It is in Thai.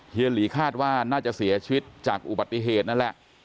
เฮีหลีคาดว่าน่าจะเสียชีวิตจากอุบัติเหตุนั่นแหละ